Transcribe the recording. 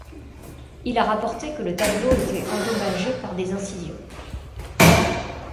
Il a rapporté que le tableau était endommagé par des incisions.